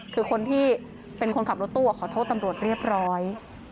คือคนที่เป็นคนขับรถตู้ขอโทษตำรวจเรียบร้อย